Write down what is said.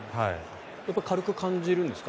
軽く感じるんですか？